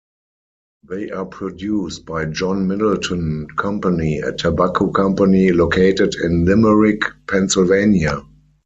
They are produced by John Middleton Company, a tobacco company located in Limerick, Pennsylvania.